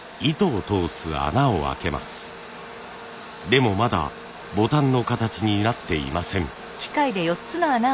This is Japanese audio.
でもまだボタンの形になっていません。